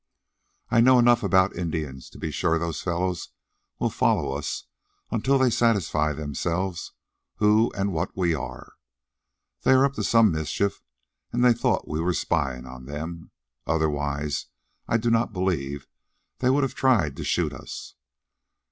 "I know enough about Indians to be sure those fellows will follow us until they satisfy themselves who and what we are. They are up to some mischief, and they thought we were spying on them. Otherwise, I do not believe they would have tried to shoot us.